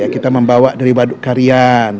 kita membawa dari waduk karian